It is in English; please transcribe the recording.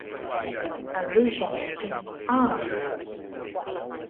Allusions to ""Ah!